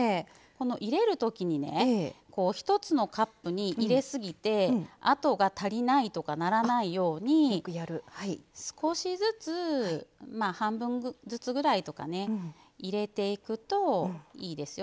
入れるときに一つのカップに入れすぎてあとが足りないとかならないように少しずつ半分ずつぐらいとかね入れていくといいですよ。